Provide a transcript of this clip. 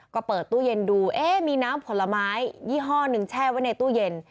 ก็เปิดตู้เย็นดูเอ๊ะมีน้ำผลไม้ยี่ห้อหนึ่งแช่ไว้ในตู้เย็น